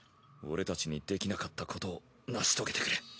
俺たちにできなかったことを成し遂げてくれ。